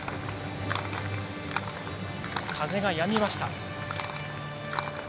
風がやみました。